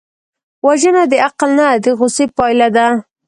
وژنه د عقل نه، د غصې پایله ده